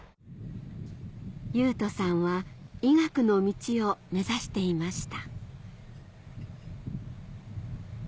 雄翔さんは医学の道を目指していました